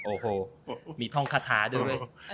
โอโหมีท่องขาดหาด้วย